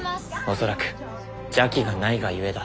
恐らく邪気がないがゆえだ。